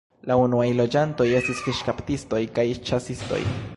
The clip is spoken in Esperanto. La unuaj loĝantoj estis fiŝkaptistoj kaj ĉasistoj.